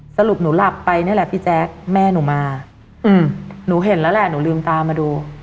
สรุปหนูหลับไปนี่แหละพี่แจ๊คแม่หนูมาหนูเห็นแล้วแหละหนูลืมตามาดู